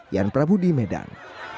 yan prabudi medan